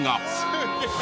すげえ！